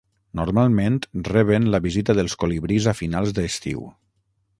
Normalment reben la visita dels colibrís a finals d'estiu.